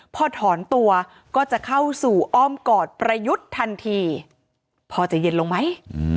พอถอนตัวก็จะเข้าสู่อ้อมกอดประยุทธ์ทันทีพอจะเย็นลงไหม